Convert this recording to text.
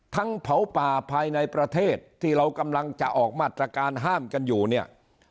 เผาป่าภายในประเทศที่เรากำลังจะออกมาตรการห้ามกันอยู่เนี่ย